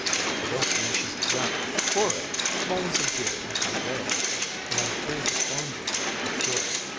I don't mean she's exactly horrid. Molly's a dear in her way, and I'm very fond of her, of course.